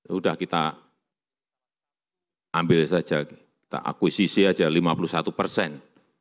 sudah kita ambil saja kita akuisisi saja lima puluh satu persen